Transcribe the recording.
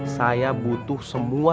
saya butuh semua